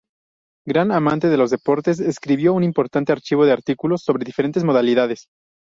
Gran amante de los deportes, escribió un importante archivo de artículos sobre diferentes modalidades.